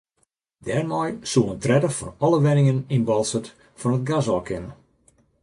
Dêrmei soe in tredde fan alle wenningen yn Boalsert fan it gas ôf kinne.